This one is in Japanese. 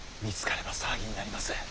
見つかれば騒ぎになります。